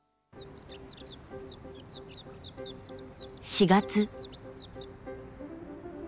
４月。